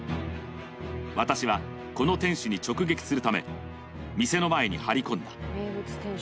私はこの店主に直撃するため、店の前に張り込んだ。